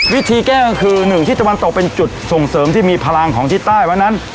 วิธีแก้ก็คือหนึ่งที่ตะวันตกเป็นจุดส่งเสริมที่มีพลังของทิศใต้วันนั้น